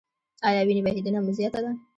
ایا وینې بهیدنه مو زیاته ده؟